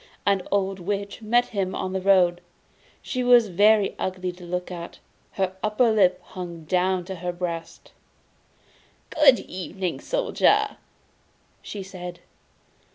An old Witch met him on the road. She was very ugly to look at: her under lip hung down to her breast. 'Good evening, Soldier!' she said.